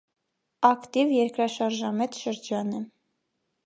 Ակտիվ երկրաշարժամետ շրջան է։